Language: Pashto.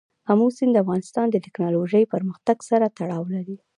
آمو سیند د افغانستان د تکنالوژۍ پرمختګ سره تړاو لري.